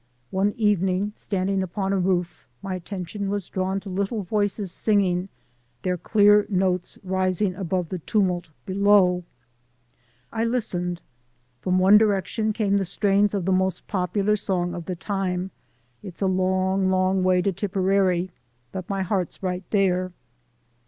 One evening, standing upon a roof, my attention was drawn to little voices singing, their AN IMMIGRANT COMMUNITY 235 clear notes rising above the tumult below. I lis tened. From one direction came the strains of the most popular song of the time : "It's a Long, Long Way to Tipperary, but my heart's right there."